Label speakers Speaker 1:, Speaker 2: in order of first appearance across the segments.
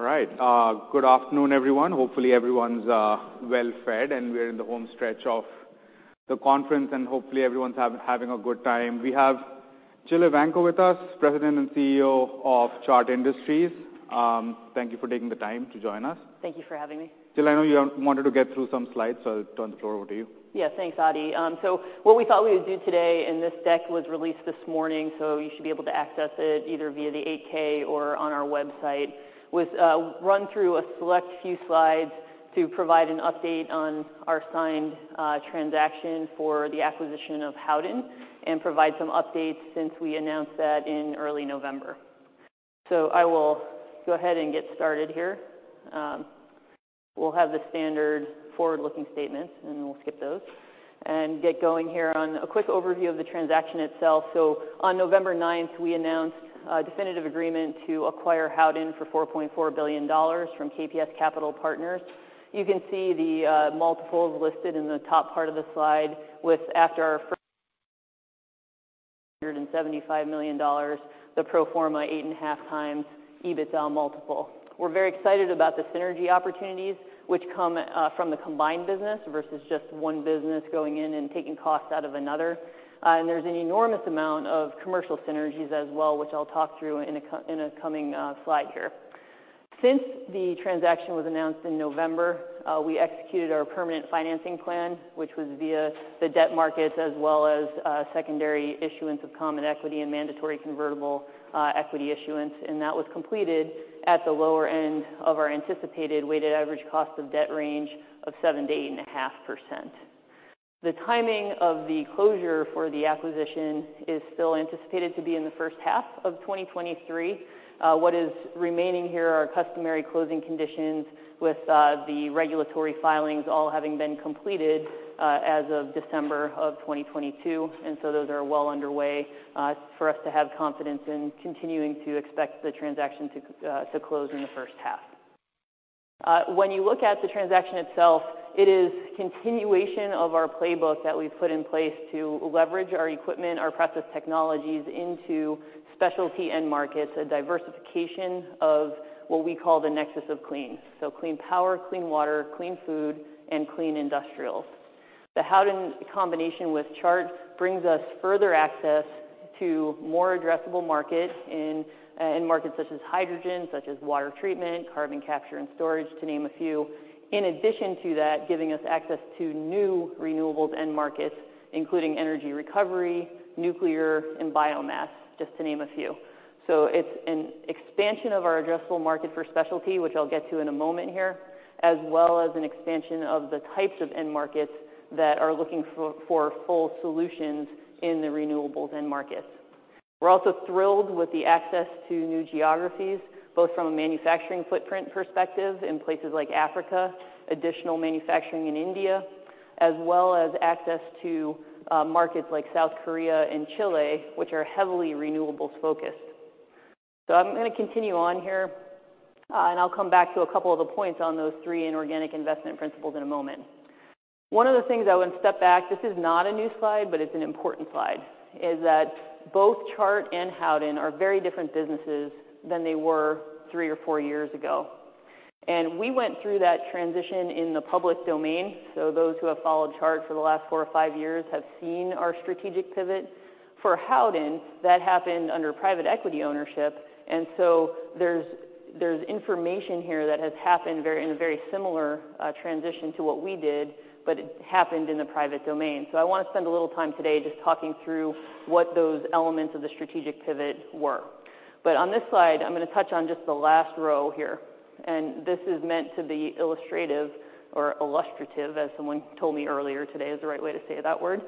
Speaker 1: All right. Good afternoon, everyone. Hopefully everyone's well fed. We're in the home stretch of the conference. Hopefully everyone's having a good time. We have Jill Evanko with us, President and CEO of Chart Industries. Thank you for taking the time to join us.
Speaker 2: Thank you for having me.
Speaker 1: Jill, I know you wanted to get through some slides, so I'll turn the floor over to you.
Speaker 2: Yeah, thanks, Adi. What we thought we would do today, and this deck was released this morning, so you should be able to access it either via the 8-K or on our website, was run through a select few slides to provide an update on our signed transaction for the acquisition of Howden and provide some updates since we announced that in early November. I will go ahead and get started here. We'll have the standard forward-looking statements, and then we'll skip those and get going here on a quick overview of the transaction itself. On November 9th, we announced a definitive agreement to acquire Howden for $4.4 billion from KPS Capital Partners. You can see the multiples listed in the top part of the slide with, after our first $175 million, the pro forma 8.5x EBITDA multiple. We're very excited about the synergy opportunities which come from the combined business versus just one business going in and taking costs out of another. There's an enormous amount of commercial synergies as well, which I'll talk through in a coming slide here. Since the transaction was announced in November, we executed our permanent financing plan, which was via the debt markets as well as secondary issuance of common equity and mandatory convertible equity issuance. That was completed at the lower end of our anticipated weighted average cost of debt range of 7%-8.5%. The timing of the closure for the acquisition is still anticipated to be in the first half of 2023. What is remaining here are customary closing conditions with the regulatory filings all having been completed as of December of 2022, those are well underway for us to have confidence in continuing to expect the transaction to close in the first half. When you look at the transaction itself, it is continuation of our playbook that we've put in place to leverage our equipment, our process technologies into specialty end markets, a diversification of what we call the Nexus of Clean. Clean power, clean water, clean food, and clean industrial. The Howden combination with Chart brings us further access to more addressable market in markets such as hydrogen, such as water treatment, carbon capture and storage, to name a few. In addition to that, giving us access to new renewables end markets, including energy recovery, nuclear and biomass, just to name a few. It's an expansion of our addressable market for specialty, which I'll get to in a moment here, as well as an expansion of the types of end markets that are looking for full solutions in the renewables end markets. We're also thrilled with the access to new geographies, both from a manufacturing footprint perspective in places like Africa, additional manufacturing in India, as well as access to markets like South Korea and Chile, which are heavily renewables-focused. I'm gonna continue on here, and I'll come back to a couple of the points on those 3 inorganic investment principles in a moment. One of the things I want to step back, this is not a new slide, but it's an important slide, is that both Chart and Howden are very different businesses than they were 3 or 4 years ago. We went through that transition in the public domain, so those who have followed Chart for the last 4 or 5 years have seen our strategic pivot. For Howden, that happened under private equity ownership, there's information here that has happened very, in a very similar transition to what we did, but it happened in the private domain. I wanna spend a little time today just talking through what those elements of the strategic pivot were. On this slide, I'm gonna touch on just the last row here, and this is meant to be illustrative or illustrative, as someone told me earlier today, is the right way to say that word.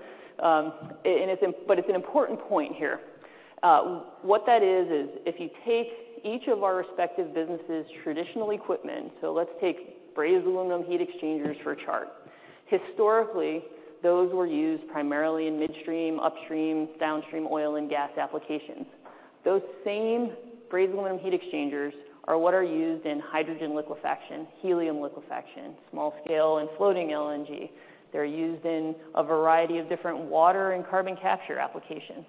Speaker 2: It's an important point here. What that is if you take each of our respective businesses' traditional equipment, so let's take Brazed Aluminum Heat Exchangers for Chart. Historically, those were used primarily in midstream, upstream, downstream oil and gas applications. Those same Brazed Aluminum Heat Exchangers are what are used in hydrogen liquefaction, helium liquefaction, small scale and floating LNG. They're used in a variety of different water and carbon capture applications.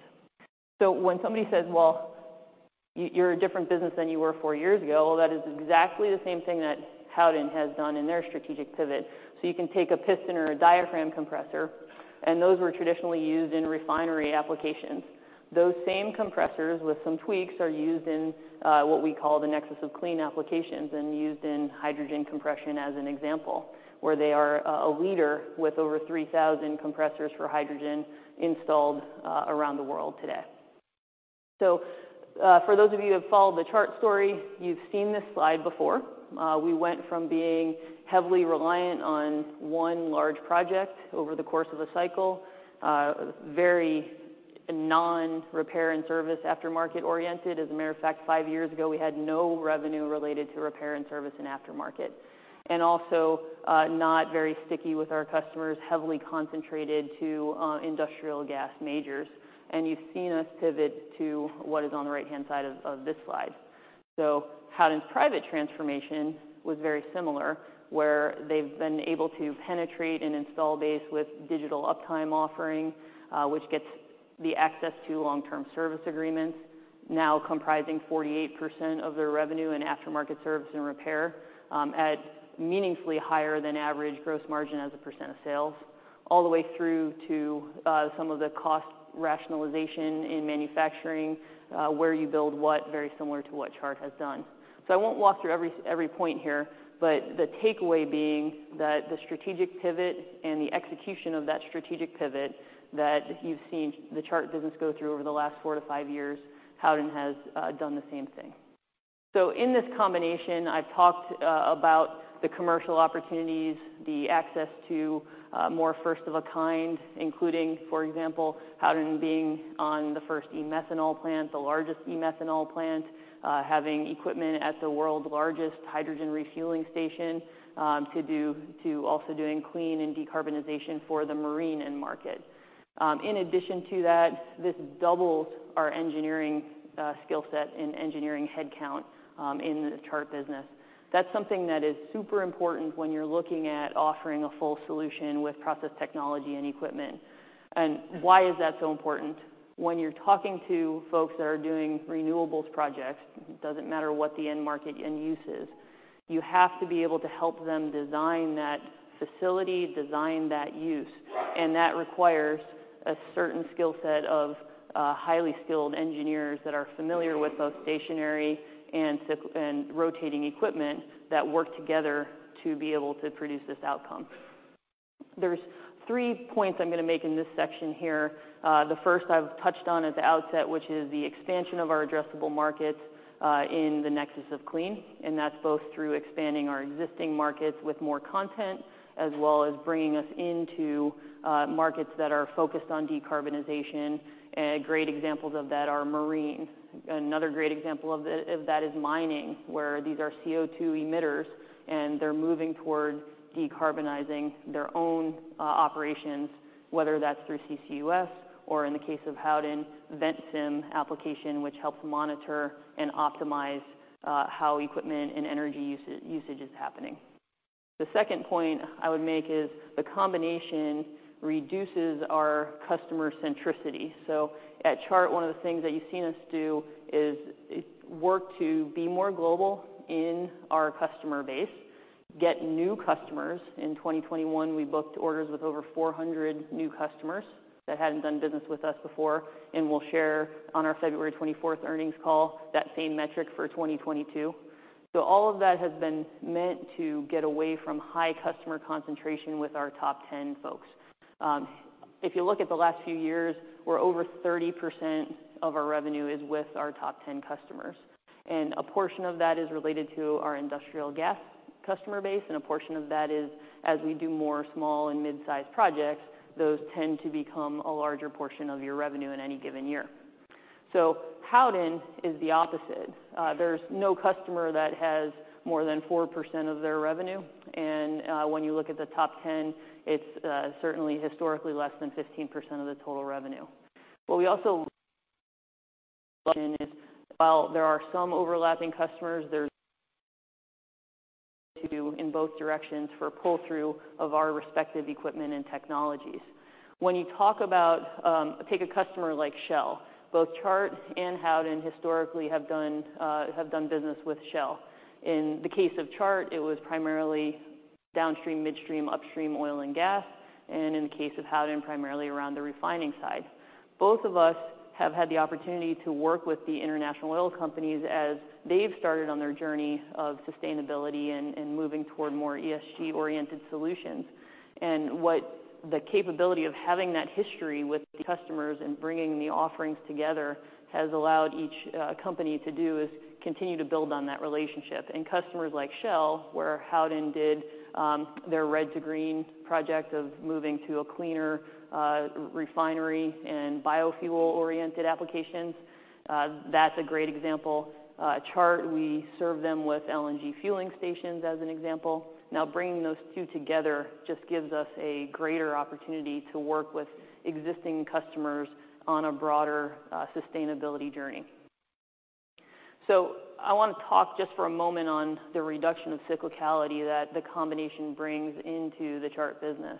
Speaker 2: When somebody says, "Well, you're a different business than you were four years ago," well, that is exactly the same thing that Howden has done in their strategic pivot. You can take a piston or a diaphragm compressor, and those were traditionally used in refinery applications. Those same compressors with some tweaks are used in what we call the Nexus of Clean applications and used in hydrogen compression as an example, where they are a leader with over 3,000 compressors for hydrogen installed around the world today. For those of you who have followed the Chart story, you've seen this slide before. We went from being heavily reliant on one large project over the course of a cycle, very non-repair and service aftermarket oriented. As a matter of fact, five years ago, we had no revenue related to repair and service and aftermarket. Also, not very sticky with our customers, heavily concentrated to industrial gas majors. You've seen us pivot to what is on the right-hand side of this slide. Howden's private transformation was very similar, where they've been able to penetrate an install base with Digital Uptime offering, which gets access to Long-Term Service Agreements now comprising 48% of their revenue in aftermarket service and repair, at meaningfully higher than average gross margin as a percent of sales, all the way through to some of the cost rationalization in manufacturing, where you build what very similar to what Chart has done. I won't walk through every point here, but the takeaway being that the strategic pivot and the execution of that strategic pivot that you've seen the Chart business go through over the last four to five years, Howden has done the same thing. In this combination, I've talked about the commercial opportunities, the access to more first of a kind, including, for example, Howden being on the first e-methanol plant, the largest e-methanol plant, having equipment at the world's largest hydrogen refueling station, to also doing clean and decarbonization for the marine end market. In addition to that, this doubles our engineering skill set and engineering headcount in the Chart business. That's something that is super important when you're looking at offering a full solution with process technology and equipment. Why is that so important? When you're talking to folks that are doing renewables projects, it doesn't matter what the end market end use is, you have to be able to help them design that facility, design that use. That requires a certain skill set of highly skilled engineers that are familiar with both stationary and rotating equipment that work together to be able to produce this outcome. There's three points I'm gonna make in this section here. The first I've touched on at the outset, which is the expansion of our addressable markets in the Nexus of Clean, and that's both through expanding our existing markets with more content, as well as bringing us into markets that are focused on decarbonization. Great examples of that are marine. Another great example of that is mining, where these are CO2 emitters, and they're moving toward decarbonizing their own operations, whether that's through CCUS, or in the case of Howden, Ventsim application, which helps monitor and optimize how equipment and energy usage is happening. The second point I would make is the combination reduces our customer centricity. At Chart, one of the things that you've seen us do is work to be more global in our customer base, get new customers. In 2021, we booked orders with over 400 new customers that hadn't done business with us before, and we'll share on our February 24th earnings call that same metric for 2022. All of that has been meant to get away from high customer concentration with our top 10 folks. If you look at the last few years, where over 30% of our revenue is with our top 10 customers, a portion of that is related to our industrial gas customer base, a portion of that is as we do more small and mid-sized projects, those tend to become a larger portion of your revenue in any given year. Howden is the opposite. There's no customer that has more than 4% of their revenue, when you look at the top 10, it's certainly historically less than 15% of the total revenue. What we also while there are some overlapping customers, there's to in both directions for pull-through of our respective equipment and technologies. When you talk about, take a customer like Shell, both Chart and Howden historically have done business with Shell. In the case of Chart, it was primarily downstream, midstream, upstream oil and gas, and in the case of Howden, primarily around the refining side. Both of us have had the opportunity to work with the international oil companies as they've started on their journey of sustainability and moving toward more ESG-oriented solutions. What the capability of having that history with customers and bringing the offerings together has allowed each company to do is continue to build on that relationship. Customers like Shell, where Howden did their Red to Green project of moving to a cleaner refinery and biofuel-oriented applications, that's a great example. Chart, we serve them with LNG fueling stations as an example. Now, bringing those two together just gives us a greater opportunity to work with existing customers on a broader sustainability journey. I wanna talk just for a moment on the reduction of cyclicality that the combination brings into the Chart business.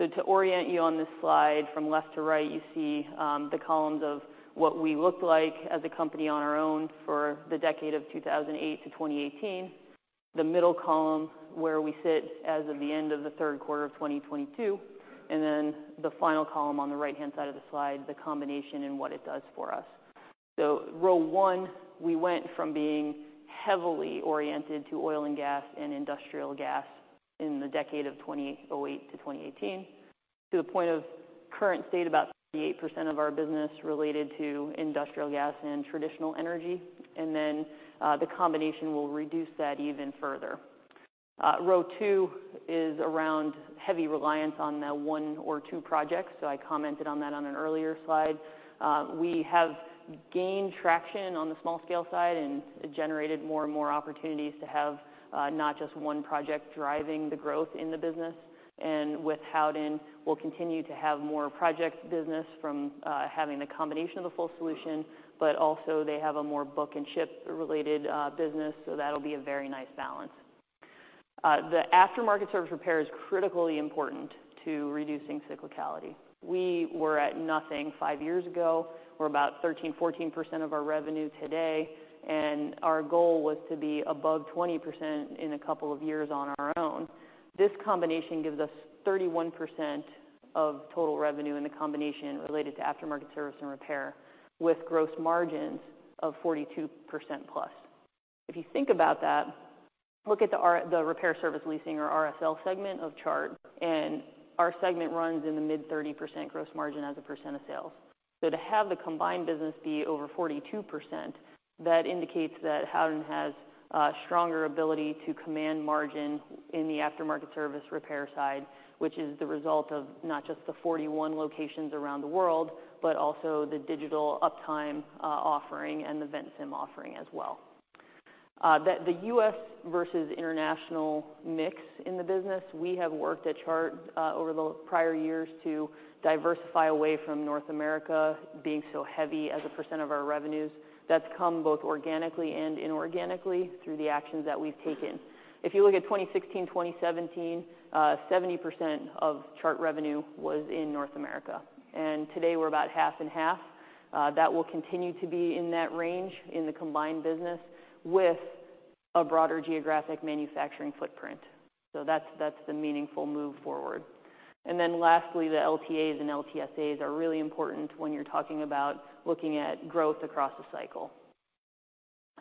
Speaker 2: To orient you on this slide from left to right, you see the columns of what we looked like as a company on our own for the decade of 2008 to 2018. The middle column, where we sit as of the end of the third quarter of 2022, and then the final column on the right-hand side of the slide, the combination and what it does for us. Row one, we went from being heavily oriented to oil and gas and industrial gas in the decade of 2008 to 2018, to the point of current state, about 38% of our business related to industrial gas and traditional energy. The combination will reduce that even further. Row two is around heavy reliance on the one or two projects. I commented on that on an earlier slide. We have gained traction on the small scale side, and it generated more and more opportunities to have not just one project driving the growth in the business. With Howden, we'll continue to have more project business from having the combination of the full solution, but also they have a more book and ship related business, so that'll be a very nice balance. The aftermarket service repair is critically important to reducing cyclicality. We were at nothing five years ago. We're about 13%, 14% of our revenue today, and our goal was to be above 20% in a couple of years on our own. This combination gives us 31% of total revenue in the combination related to aftermarket service and repair, with gross margins of 42% plus. If you think about that, look at the repair service leasing or RSL segment of Chart, and our segment runs in the mid-30% gross margin as a percent of sales. To have the combined business be over 42%, that indicates that Howden has a stronger ability to command margin in the aftermarket service repair side, which is the result of not just the 41 locations around the world, but also the Digital Uptime offering and the Ventsim offering as well. The U.S. versus international mix in the business, we have worked at Chart over the prior years to diversify away from North America being so heavy as a percent of our revenues. That's come both organically and inorganically through the actions that we've taken. If you look at 2016, 2017, 70% of Chart revenue was in North America, and today we're about half and half. That will continue to be in that range in the combined business with a broader geographic manufacturing footprint. That's the meaningful move forward. Lastly, the LTAs and LTSAs are really important when you're talking about looking at growth across the cycle.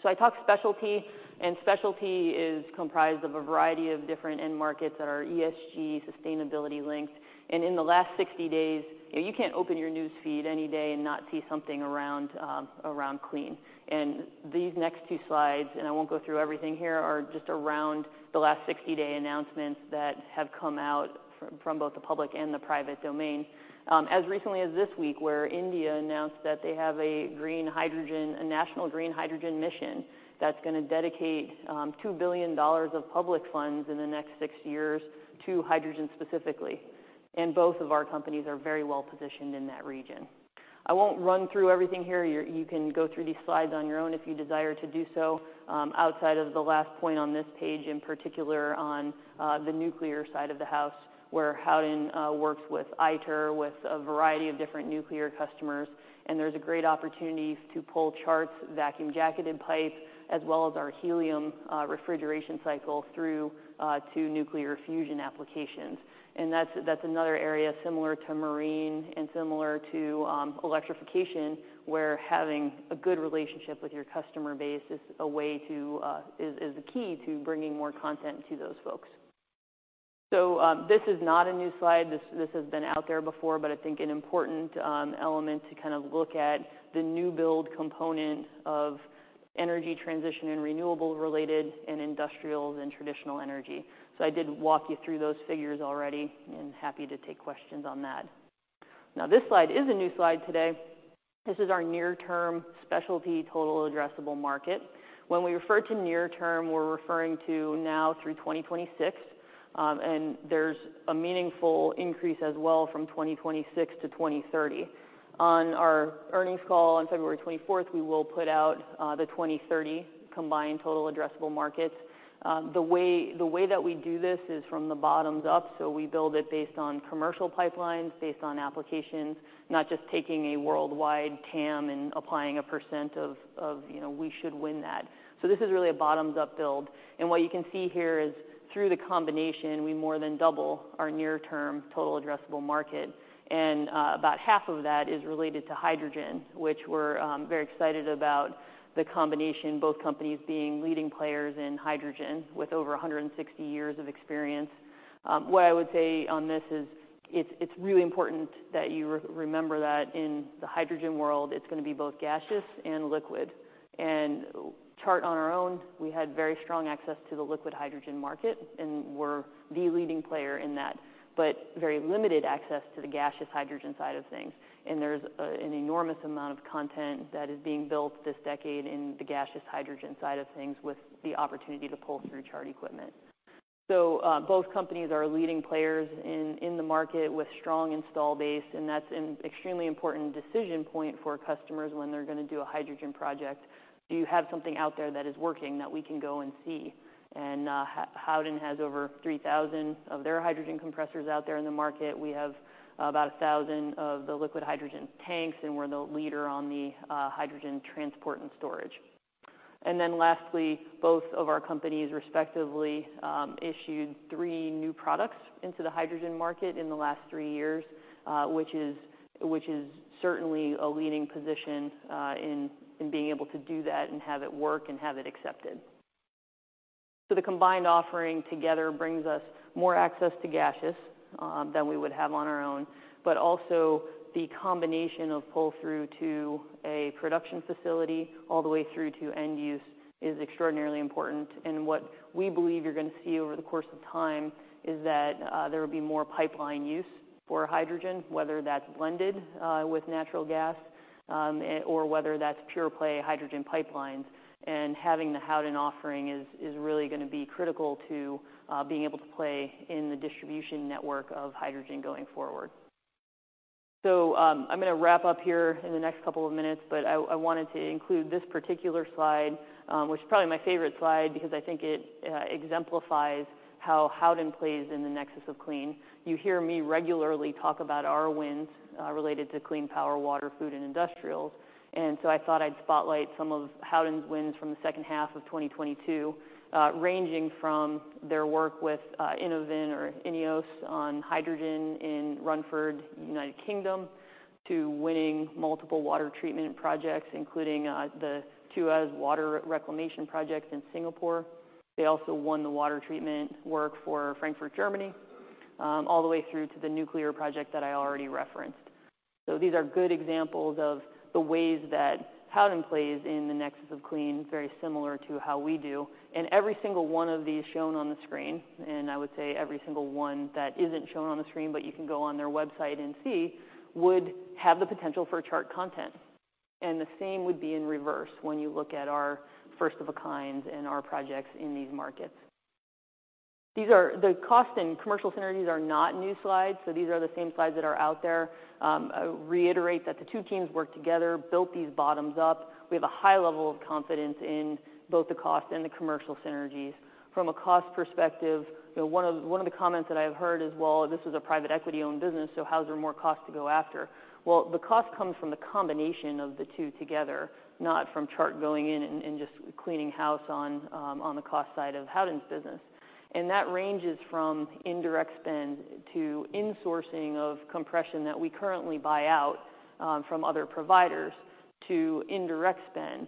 Speaker 2: I talked specialty, and specialty is comprised of a variety of different end markets that are ESG sustainability linked. In the last 60 days, you know, you can't open your news feed any day and not see something around clean. These next two slides, and I won't go through everything here, are just around the last 60-day announcements that have come out from both the public and the private domain. As recently as this week, where India announced that they have a green hydrogen, a national green hydrogen mission that's gonna dedicate, $2 billion of public funds in the next six years to hydrogen specifically. Both of our companies are very well-positioned in that region. I won't run through everything here. You can go through these slides on your own if you desire to do so, outside of the last point on this page, in particular on the nuclear side of the house, where Howden works with ITER, with a variety of different nuclear customers, and there's a great opportunity to pull Chart's vacuum-jacketed pipe, as well as our helium refrigeration cycle through to nuclear fusion applications. That's another area similar to marine and similar to electrification, where having a good relationship with your customer base is a way to is the key to bringing more content to those folks. This is not a new slide. This has been out there before, but I think an important element to kind of look at the new build component of energy transition and renewable-related and industrials and traditional energy. I did walk you through those figures already and happy to take questions on that. This slide is a new slide today. This is our near-term specialty Total Addressable Market. When we refer to near term, we're referring to now through 2026, and there's a meaningful increase as well from 2026 to 2030. On our earnings call on February 24th, we will put out the 2030 combined Total Addressable Markets. The way that we do this is from the bottoms up, we build it based on commercial pipelines, based on applications, not just taking a worldwide TAM and applying a percent of, you know, we should win that. This is really a bottoms-up build. What you can see here is through the combination, we more than double our near-term total addressable market, and about half of that is related to hydrogen, which we're very excited about the combination, both companies being leading players in hydrogen with over 160 years of experience. What I would say on this is it's really important that you remember that in the hydrogen world, it's gonna be both gaseous and liquid. Chart on our own, we had very strong access to the liquid hydrogen market, and we're the leading player in that, but very limited access to the gaseous hydrogen side of things. There's an enormous amount of content that is being built this decade in the gaseous hydrogen side of things with the opportunity to pull through Chart equipment. Both companies are leading players in the market with strong install base, and that's an extremely important decision point for customers when they're gonna do a hydrogen project. Do you have something out there that is working that we can go and see? Howden has over 3,000 of their hydrogen compressors out there in the market. We have about 1,000 of the liquid hydrogen tanks, and we're the leader on the hydrogen transport and storage. Lastly, both of our companies respectively, issued 3 new products into the hydrogen market in the last 3 years, which is certainly a leading position in being able to do that and have it work and have it accepted. The combined offering together brings us more access to gaseous than we would have on our own, but also the combination of pull-through to a production facility all the way through to end use is extraordinarily important. What we believe you're gonna see over the course of time is that there will be more pipeline use for hydrogen, whether that's blended with natural gas or whether that's pure play hydrogen pipelines. Having the Howden offering is really gonna be critical to being able to play in the distribution network of hydrogen going forward. I'm gonna wrap up here in the next couple of minutes, but I wanted to include this particular slide, which is probably my favorite slide because I think it exemplifies how Howden plays in the Nexus of Clean. You hear me regularly talk about our wins related to clean power, water, food, and industrials. I thought I'd spotlight some of Howden's wins from the second half of 2022, ranging from their work with INOVYN or INEOS on hydrogen in Runcorn, United Kingdom, to winning multiple water treatment projects, including the Tuas Water Reclamation project in Singapore. They also won the water treatment work for Frankfurt, Germany, all the way through to the nuclear project that I already referenced. These are good examples of the ways that Howden plays in the Nexus of Clean, very similar to how we do. Every single one of these shown on the screen, and I would say every single one that isn't shown on the screen, but you can go on their website and see, would have the potential for a Chart content. The same would be in reverse when you look at our first of a kind in our projects in these markets. The cost and commercial synergies are not new slides, these are the same slides that are out there. I reiterate that the two teams worked together, built these bottoms up. We have a high level of confidence in both the cost and the commercial synergies. From a cost perspective, you know, one of the comments that I've heard is, "Well, this is a private equity-owned business, so how is there more cost to go after?" Well, the cost comes from the combination of the two together, not from Chart going in and just cleaning house on the cost side of Howden's business. That ranges from indirect spend to insourcing of compression that we currently buy out from other providers to indirect spend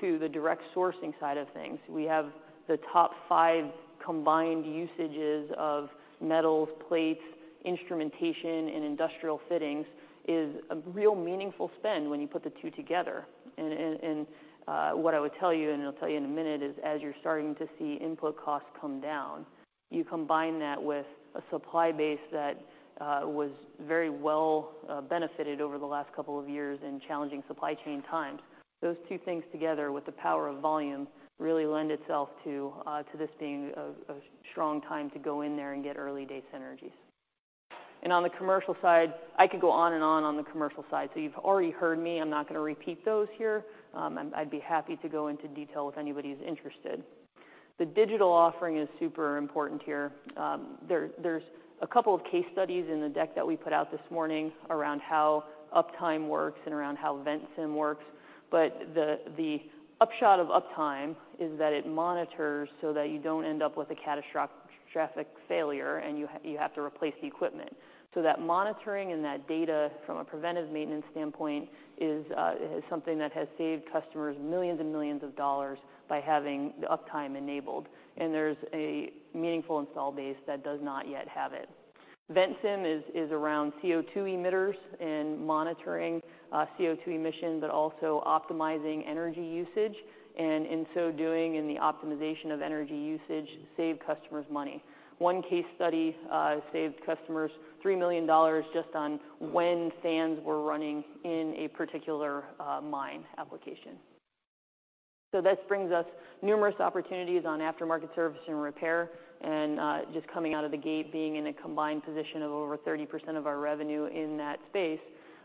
Speaker 2: to the direct sourcing side of things. We have the top 5 combined usages of metals, plates, instrumentation, and industrial fittings is a real meaningful spend when you put the two together. What I would tell you, and I'll tell you in a minute, is as you're starting to see input costs come down, you combine that with a supply base that was very well benefited over the last couple of years in challenging supply chain times. Those two things together with the power of volume really lend itself to this being a strong time to go in there and get early-day synergies. On the commercial side, I could go on and on on the commercial side. You've already heard me, I'm not gonna repeat those here. I'd be happy to go into detail if anybody's interested. The digital offering is super important here. There's a couple of case studies in the deck that we put out this morning around how Uptime works and around how Ventsim works. The upshot of Uptime is that it monitors so that you don't end up with a catastrophic failure, and you have to replace the equipment. That monitoring and that data from a preventive maintenance standpoint is something that has saved customers $millions and millions by having the Uptime enabled, and there's a meaningful install base that does not yet have it. Ventsim is around CO2 emitters and monitoring CO2 emissions, but also optimizing energy usage. In so doing, in the optimization of energy usage, save customers money. One case study saved customers $3 million just on when fans were running in a particular mine application. This brings us numerous opportunities on aftermarket service and repair, just coming out of the gate, being in a combined position of over 30% of our revenue in that space,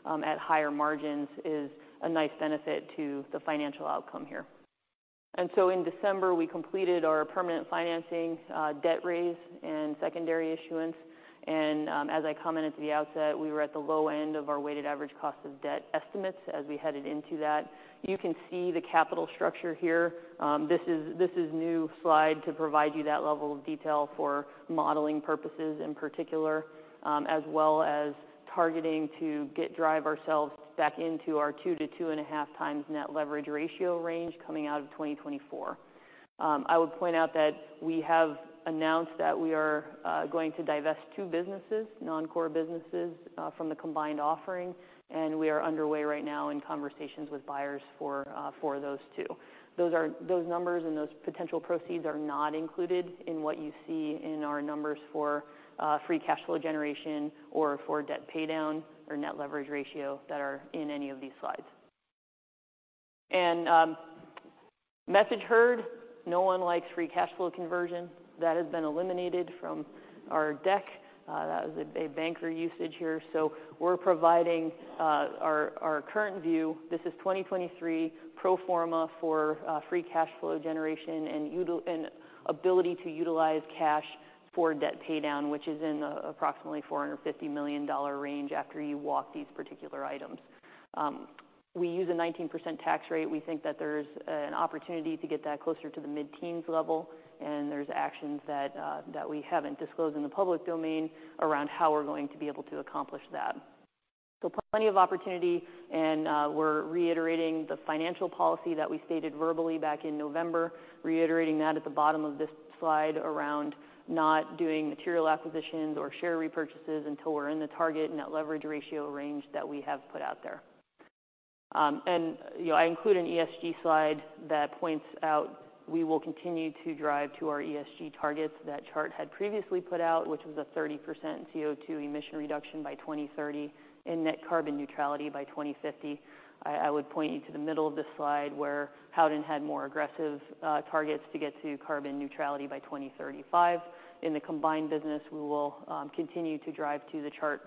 Speaker 2: at higher margins is a nice benefit to the financial outcome here. In December, we completed our permanent financing, debt raise and secondary issuance. As I commented at the outset, we were at the low end of our weighted average cost of debt estimates as we headed into that. You can see the capital structure here. This is new slide to provide you that level of detail for modeling purposes in particular, as well as targeting to get drive ourselves back into our 2-2.5 times net leverage ratio range coming out of 2024. I would point out that we have announced that we are going to divest two businesses, non-core businesses, from the combined offering, and we are underway right now in conversations with buyers for those two. Those numbers and those potential proceeds are not included in what you see in our numbers for free cash flow generation or for debt paydown or net leverage ratio that are in any of these slides. Message heard, no one likes free cash flow conversion. That has been eliminated from our deck. That was a banker usage here. We're providing our current view. This is 2023 pro forma for free cash flow generation and ability to utilize cash for debt paydown, which is in approximately $450 million range after you walk these particular items. We use a 19% tax rate. We think that there's an opportunity to get that closer to the mid-teens level, and there's actions that we haven't disclosed in the public domain around how we're going to be able to accomplish that. Plenty of opportunity, and we're reiterating the financial policy that we stated verbally back in November, reiterating that at the bottom of this slide around not doing material acquisitions or share repurchases until we're in the target net leverage ratio range that we have put out there. You know, I include an ESG slide that points out we will continue to drive to our ESG targets that Chart had previously put out, which was a 30% CO2 emission reduction by 2030 and net carbon neutrality by 2050. I would point you to the middle of this slide where Howden had more aggressive targets to get to carbon neutrality by 2035. In the combined business, we will continue to drive to the Chart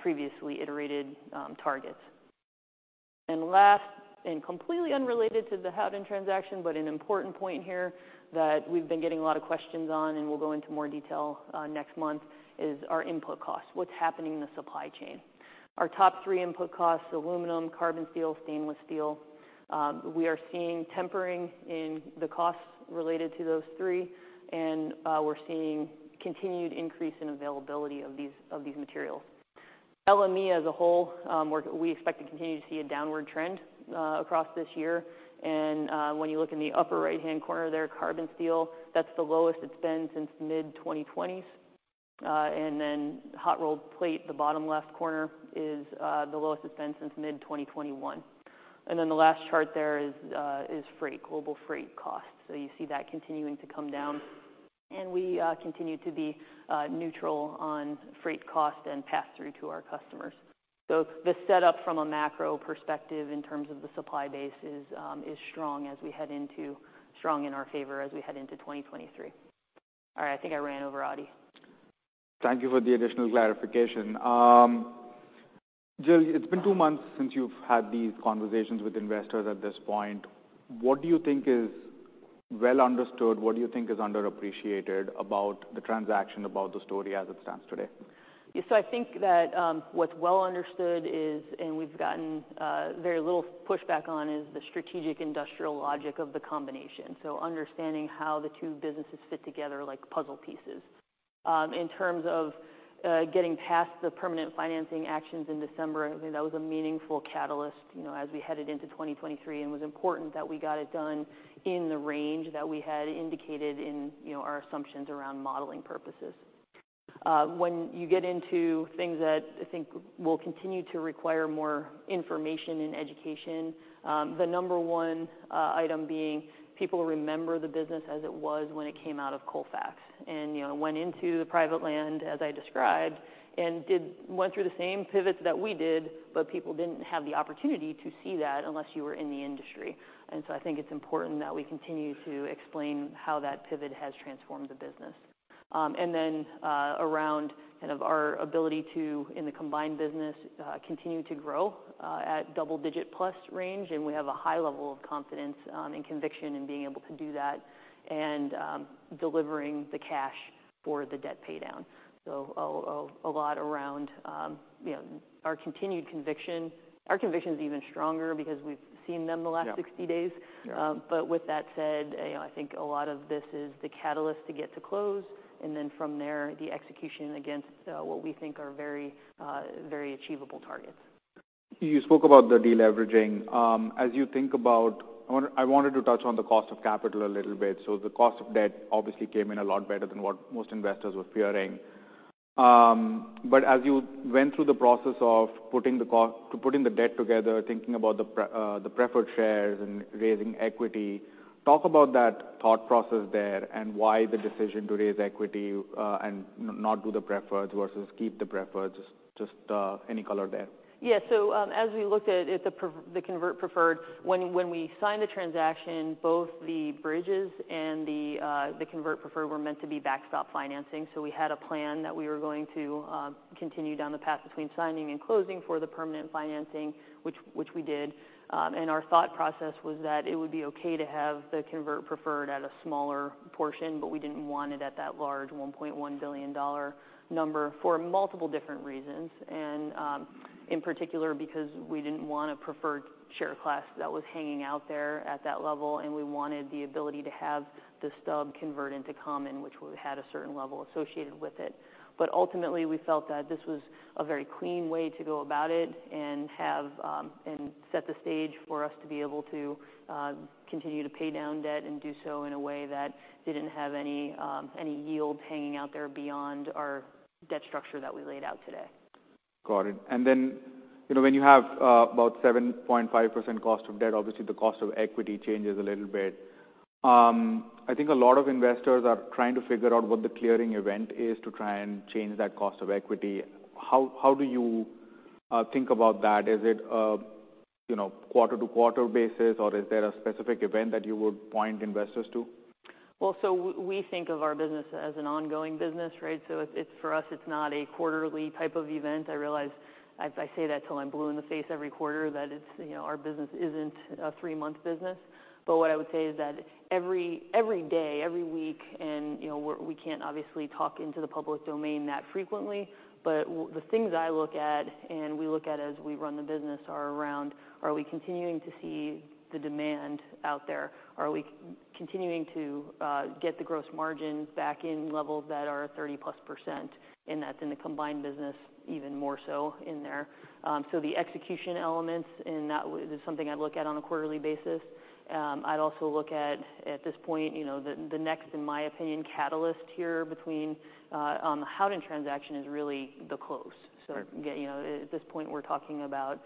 Speaker 2: previously iterated targets. Last, and completely unrelated to the Howden transaction, but an important point here that we've been getting a lot of questions on, and we'll go into more detail next month, is our input costs, what's happening in the supply chain. Our top three input costs, aluminum, carbon steel, stainless steel, we are seeing tempering in the costs related to those three, we're seeing continued increase in availability of these materials. LME as a whole, we expect to continue to see a downward trend across this year, when you look in the upper right-hand corner there, carbon steel, that's the lowest it's been since mid-2020s. Hot rolled plate, the bottom left corner, is the lowest it's been since mid-2021. The last chart there is freight, global freight costs. You see that continuing to come down. We continue to be neutral on freight cost and pass-through to our customers. The setup from a macro perspective in terms of the supply base is strong in our favor as we head into 2023. All right, I think I ran over, Adi.
Speaker 1: Thank you for the additional clarification. Jill, it's been two months since you've had these conversations with investors at this point. What do you think is well understood? What do you think is underappreciated about the transaction, about the story as it stands today?
Speaker 2: I think that what's well understood is, and we've gotten very little pushback on, is the strategic industrial logic of the combination. Understanding how the two businesses fit together like puzzle pieces. In terms of getting past the permanent financing actions in December, I think that was a meaningful catalyst, you know, as we headed into 2023, and was important that we got it done in the range that we had indicated in, you know, our assumptions around modeling purposes. When you get into things that I think will continue to require more information and education, the number one item being people remember the business as it was when it came out of Colfax. You know, it went into the private land, as I described, and went through the same pivots that we did, but people didn't have the opportunity to see that unless you were in the industry. I think it's important that we continue to explain how that pivot has transformed the business. Then, around kind of our ability to, in the combined business, continue to grow at double digit plus range, and we have a high level of confidence and conviction in being able to do that and delivering the cash for the debt pay down. A lot around, you know, our continued conviction. Our conviction's even stronger because we've seen them the last 60 days.
Speaker 1: Yeah.
Speaker 2: With that said, you know, I think a lot of this is the catalyst to get to close, and then from there, the execution against what we think are very, very achievable targets.
Speaker 1: You spoke about the deleveraging. As you think about, I wanted to touch on the cost of capital a little bit. The cost of debt obviously came in a lot better than what most investors were fearing. As you went through the process of putting the debt together, thinking about the preferred shares and raising equity, talk about that thought process there and why the decision to raise equity, and not do the preferreds versus keep the preferreds. Just any color there.
Speaker 2: As we looked at the convertible preferred, when we signed the transaction, both the bridges and the convertible preferred were meant to be backstop financing. We had a plan that we were going to continue down the path between signing and closing for the permanent financing, which we did. Our thought process was that it would be okay to have the convertible preferred at a smaller portion, but we didn't want it at that large $1.1 billion number for multiple different reasons. In particular, because we didn't want a preferred share class that was hanging out there at that level, and we wanted the ability to have the stub convert into common, which we had a certain level associated with it. Ultimately, we felt that this was a very clean way to go about it and have and set the stage for us to be able to continue to pay down debt and do so in a way that didn't have any any yield hanging out there beyond our debt structure that we laid out today.
Speaker 1: Got it. You know, when you have about 7.5% cost of debt, obviously the cost of equity changes a little bit. I think a lot of investors are trying to figure out what the clearing event is to try and change that cost of equity. How do you think about that? Is it a, you know, quarter-to-quarter basis, or is there a specific event that you would point investors to?
Speaker 2: We think of our business as an ongoing business, right? It's for us, it's not a quarterly type of event. I realize I say that till I'm blue in the face every quarter, that it's, you know, our business isn't a three-month business. What I would say is that every day, every week, and, you know, we can't obviously talk into the public domain that frequently, but the things I look at and we look at as we run the business are around, are we continuing to see the demand out there? Are we continuing to get the gross margins back in levels that are 30-plus %? That's in the combined business even more so in there. The execution elements, and that is something I'd look at on a quarterly basis. I'd also look at this point, you know, the next, in my opinion, catalyst here between, on the Howden transaction is really the close. At this point, we're talking about,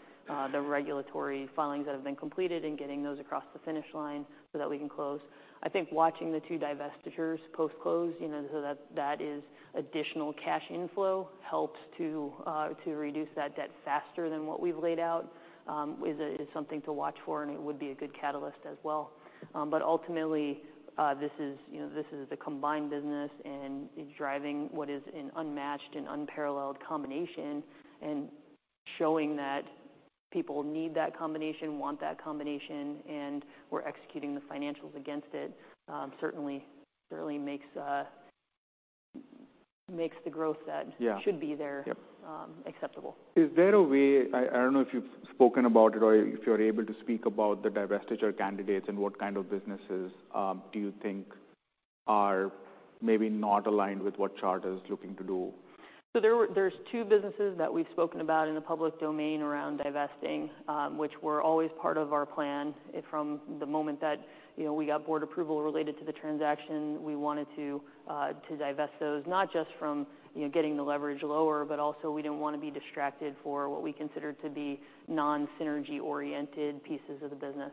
Speaker 2: the regulatory filings that have been completed and getting those across the finish line so that we can close. I think watching the two divestitures post-close, you know, so that is additional cash inflow helps to reduce that debt faster than what we've laid out, is something to watch for, and it would be a good catalyst as well. Ultimately, this is, you know, this is the combined business, and it's driving what is an unmatched and unparalleled combination. Showing that people need that combination, want that combination, we're executing the financials against it, certainly makes the growth that-
Speaker 1: Yeah...
Speaker 2: should be there.
Speaker 1: Yep ...
Speaker 2: acceptable.
Speaker 1: I don't know if you've spoken about it or if you're able to speak about the divestiture candidates and what kind of businesses do you think are maybe not aligned with what Chart is looking to do?
Speaker 2: There were two businesses that we've spoken about in the public domain around divesting, which were always part of our plan. From the moment that, you know, we got board approval related to the transaction, we wanted to divest those, not just from, you know, getting the leverage lower, but also we didn't wanna be distracted for what we consider to be non-synergy-oriented pieces of the business.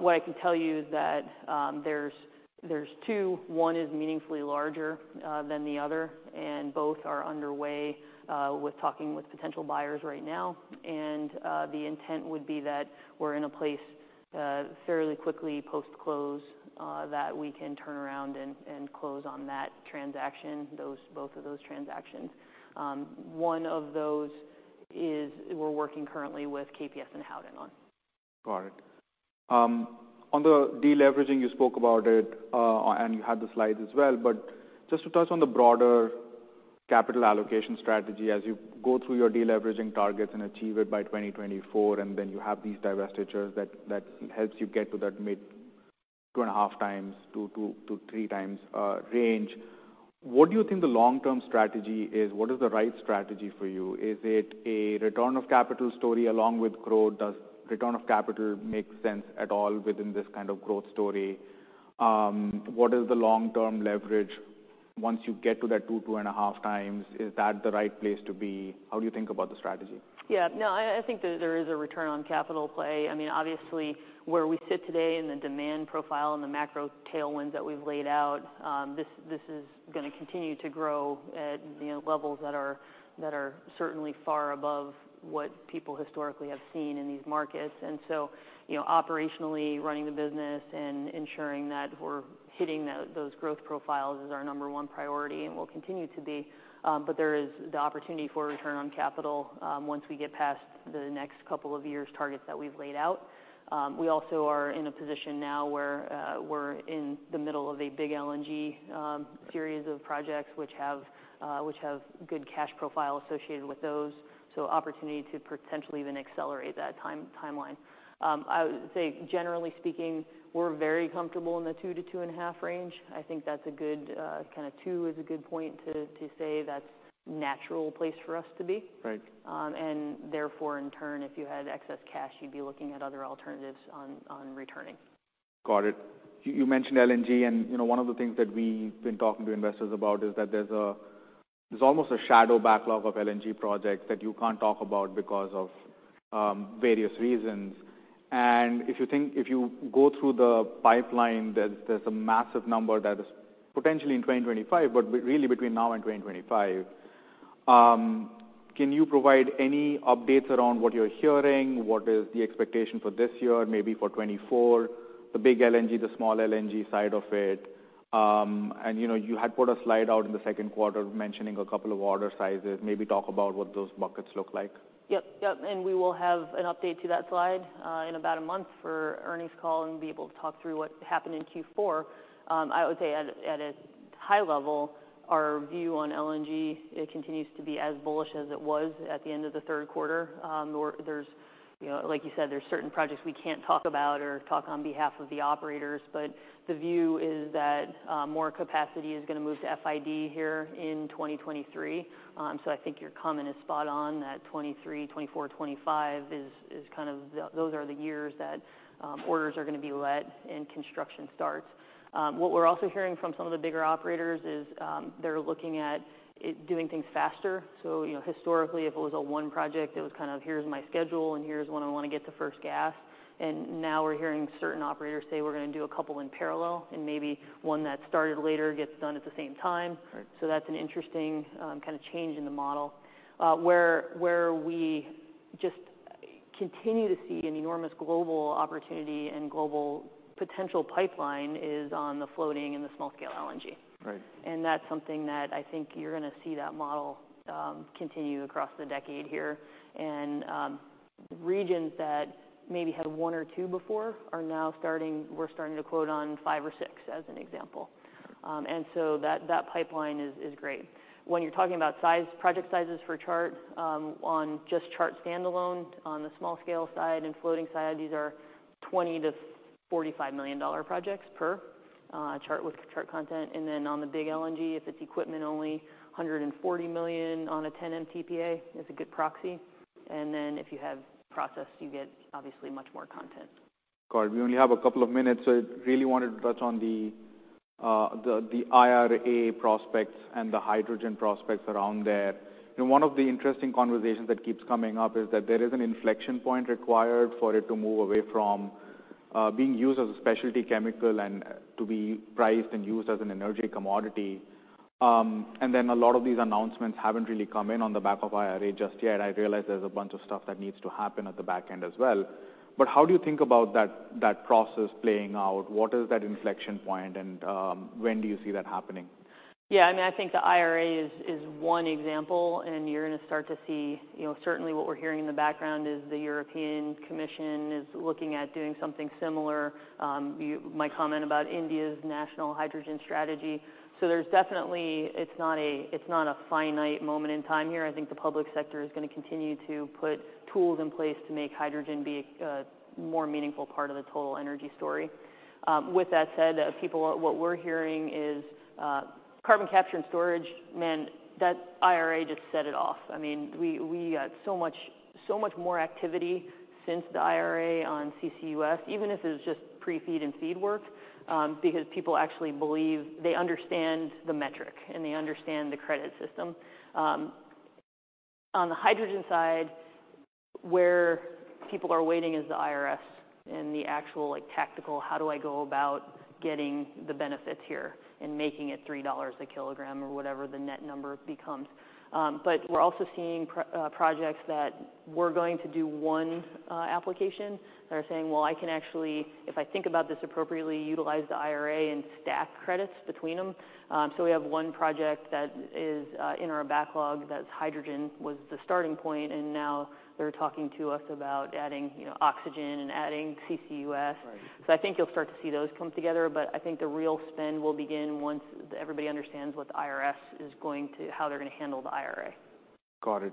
Speaker 2: What I can tell you is that there's two. One is meaningfully larger than the other, and both are underway with talking with potential buyers right now. The intent would be that we're in a place fairly quickly post-close that we can turn around and close on that transaction, both of those transactions. One of those is we're working currently with KPS and Howden on.
Speaker 1: Got it. On the deleveraging, you spoke about it, and you had the slides as well. Just to touch on the broader capital allocation strategy as you go through your deleveraging targets and achieve it by 2024, and then you have these divestitures that helps you get to that mid 2.5 times-3 times, range. What do you think the long-term strategy is? What is the right strategy for you? Is it a return of capital story along with growth? Does return of capital make sense at all within this kind of growth story? What is the long-term leverage once you get to that 2-2.5 times? Is that the right place to be? How do you think about the strategy?
Speaker 2: Yeah. No, I think there is a return on capital play. I mean, obviously where we sit today in the demand profile and the macro tailwinds that we've laid out, this is gonna continue to grow at, you know, levels that are certainly far above what people historically have seen in these markets. You know, operationally running the business and ensuring that we're hitting those growth profiles is our number one priority, and will continue to be. There is the opportunity for return on capital, once we get past the next couple of years' targets that we've laid out. We also are in a position now where we're in the middle of a big LNG series of projects which have good cash profile associated with those, so opportunity to potentially even accelerate that timeline. I would say generally speaking, we're very comfortable in the 2 to 2.5 range. I think that's a good. 2 is a good point to say that's natural place for us to be.
Speaker 1: Right.
Speaker 2: Therefore in turn, if you had excess cash, you'd be looking at other alternatives on returning.
Speaker 1: Got it. You mentioned LNG and, you know, one of the things that we've been talking to investors about is that there's almost a shadow backlog of LNG projects that you can't talk about because of various reasons. If you go through the pipeline, there's a massive number that is potentially in 2025, but really between now and 2025. Can you provide any updates around what you're hearing? What is the expectation for this year, maybe for 2024? The big LNG, the small LNG side of it. You know, you had put a slide out in the second quarter mentioning a couple of order sizes. Maybe talk about what those buckets look like.
Speaker 2: Yep. Yep. We will have an update to that slide in about a month for earnings call and be able to talk through what happened in Q4. I would say at a high level, our view on LNG, it continues to be as bullish as it was at the end of the third quarter. There's, you know, like you said, there's certain projects we can't talk about or talk on behalf of the operators. The view is that more capacity is gonna move to FID here in 2023. I think your comment is spot on that 2023, 2024, 2025 is kind of the those are the years that orders are gonna be let and construction starts. What we're also hearing from some of the bigger operators is they're looking at doing things faster. You know, historically, if it was a 1 project, it was kind of, "Here's my schedule and here's when I want to get the first gas." Now we're hearing certain operators say, "We're going to do a couple in parallel, and maybe one that started later gets done at the same time.
Speaker 1: Right.
Speaker 2: That's an interesting, kind of change in the model. Where we just continue to see an enormous global opportunity and global potential pipeline is on the floating and the small scale LNG.
Speaker 1: Right.
Speaker 2: That's something that I think you're gonna see that model continue across the decade here. Regions that maybe had 1 or 2 before are now we're starting to quote on 5 or 6, as an example. That, that pipeline is great. When you're talking about size, project sizes for Chart, on just Chart standalone on the small scale side and floating side, these are $20 million-$45 million projects per Chart with Chart content. On the big LNG, if it's equipment only, $140 million on a 10 MTPA is a good proxy. If you have process, you get obviously much more content.
Speaker 1: Got it. We only have a couple of minutes. I really wanted to touch on the IRA prospects and the hydrogen prospects around there. You know, one of the interesting conversations that keeps coming up is that there is an inflection point required for it to move away from being used as a specialty chemical and to be priced and used as an energy commodity. A lot of these announcements haven't really come in on the back of IRA just yet. I realize there's a bunch of stuff that needs to happen at the back end as well. How do you think about that process playing out? What is that inflection point and when do you see that happening?
Speaker 2: Yeah, I mean, I think the IRA is one example, and you're gonna start to see. You know, certainly what we're hearing in the background is the European Commission is looking at doing something similar. My comment about India's national hydrogen strategy. There's definitely. It's not a, it's not a finite moment in time here. I think the public sector is gonna continue to put tools in place to make hydrogen be a more meaningful part of the total energy story. With that said, people, what we're hearing is carbon capture and storage, man, that IRA just set it off. I mean, we got so much more activity since the IRA on CCUS, even if it's just pre-FEED and FEED work, because people actually believe they understand the metric and they understand the credit system. On the hydrogen side, where people are waiting is the IRS and the actual, like, tactical how do I go about getting the benefits here and making it $3 a kilogram or whatever the net number becomes. We're also seeing projects that were going to do one application. They're saying, "Well, I can actually, if I think about this appropriately, utilize the IRA and stack credits between them." We have one project that is in our backlog that's hydrogen was the starting point, and now they're talking to us about adding, you know, oxygen and adding CCUS.
Speaker 1: Right.
Speaker 2: I think you'll start to see those come together, but I think the real spend will begin once everybody understands what the IRS is how they're gonna handle the IRA.
Speaker 1: Got it.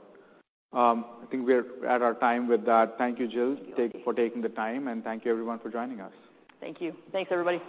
Speaker 1: I think we're at our time with that. Thank you, Jill.
Speaker 2: Thank you.
Speaker 1: For taking the time, and thank you everyone for joining us.
Speaker 2: Thank you. Thanks, everybody.